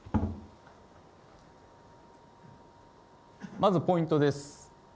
まずポイントです。